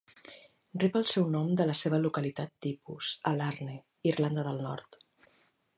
Rep el seu nom de la seva localitat tipus, a Larne, Irlanda del Nord.